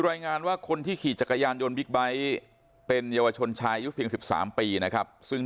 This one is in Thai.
ส่วนสองตายายขี่จักรยานยนต์อีกคันหนึ่งก็เจ็บถูกนำตัวส่งโรงพยาบาลสรรค์กำแพง